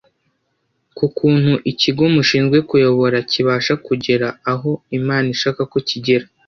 ku kuntu ikigo mushinzwe kuyobora kibasha kugera aho Imana ishaka ko kigera